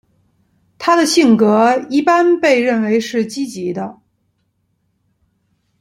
她的性格一般被认为是积极的。